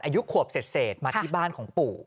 อายุขวบเศษมาที่บ้านของปู่